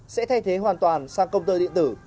sẽ thay thế hoàn toàn sang công tơ điện tử